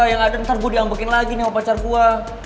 ya gak ada ntar gue diambekin lagi nih sama pacar gue